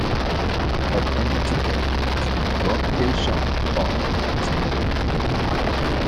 Of hundreds of death duels Yuen Kay Shan fought in he was never defeated.